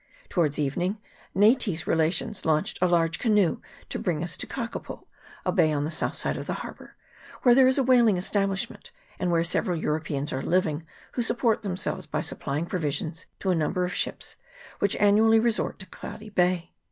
Towards evening Nayti's relations launched a large canoe to bring us to Kakapo, a bay on the south side of the harbour, where there is a whaling esta blishment, and where several Europeans are living, who support themselves by supplying provisions to a number of ships, which annually resort to Cloudy Bay.